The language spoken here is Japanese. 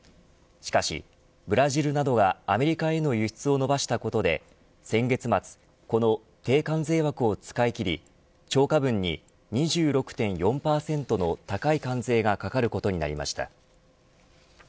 しかし、ブラジルなどがアメリカへの輸出を伸ばしたことで先月末この低関税枠を使い切り超過分に２６．４％の高い関税がかかることになりました。